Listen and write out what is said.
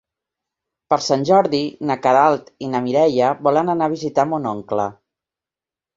Per Sant Jordi na Queralt i na Mireia volen anar a visitar mon oncle.